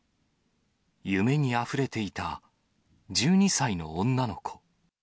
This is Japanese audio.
夢にあふれていた１２歳の女の子。